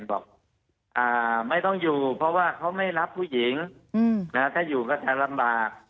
บอกไม่ต้องอยู่เพราะว่าเขาไม่รับผู้หญิงถ้าอยู่ก็จะลำบาก